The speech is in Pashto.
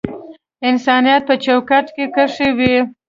انسانیت په چوکاټ کښی وی